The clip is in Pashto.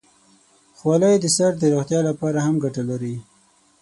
خولۍ د سر د روغتیا لپاره هم ګټه لري.